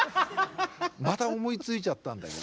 また思いついちゃったんだよ」